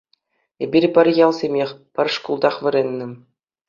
Эпир пӗр ялсемех, пӗр шкултах вӗреннӗ.